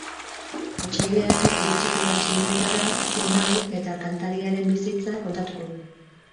Otsailean iritsiko da zinemetara film hau eta kantariaren bizitza kontatuko du.